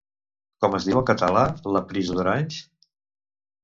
Com es diu en català La prise d'Orange?